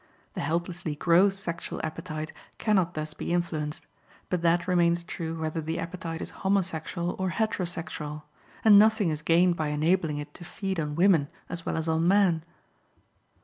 The helplessly gross sexual appetite cannot thus be influenced; but that remains true whether the appetite is homosexual or heterosexual, and nothing is gained by enabling it to feed on women as well as on men.